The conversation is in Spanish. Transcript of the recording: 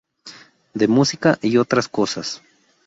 De música... y otras cosas.